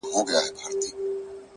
سیاه پوسي ده رنگونه نسته